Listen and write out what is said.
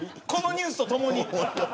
このニュースとともに。